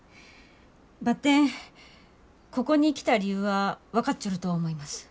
ばってんここに来た理由は分かっちょると思います。